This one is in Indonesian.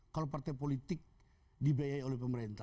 kalau partai politik dibiayai oleh pemerintah